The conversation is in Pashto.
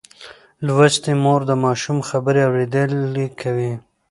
لوستې مور د ماشوم خبرې اورېدلي کوي.